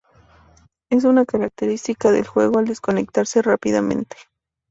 Es una característica del juego el desconectarse rápidamente".